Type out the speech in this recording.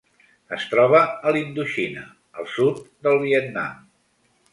Es troba a la Indoxina: el sud del Vietnam.